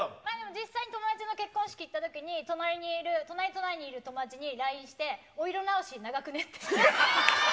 実際、友達の結婚式に行ったときに、隣にいる、隣隣にいる友達にＬＩＮＥして、お色直し長くねって。